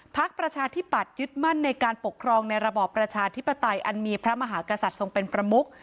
ประชาธิปัตยึดมั่นในการปกครองในระบอบประชาธิปไตยอันมีพระมหากษัตริย์ทรงเป็นประมุก